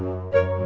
gak ada apa apa